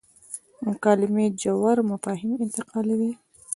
مکالمې ژور مفاهیم انتقالوي.